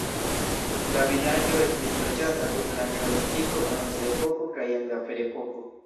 La vilaĝo estis loĝata dum la neolitiko, bronzepoko kaj en la ferepoko.